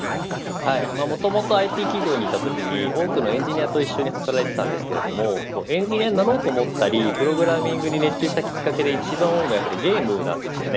もともとＩＴ企業にいたときに多くのエンジニアと一緒に働いていましたがエンジニアになろうと思ったりプログラミングに熱中したきっかけで一番多いのはゲームなんです。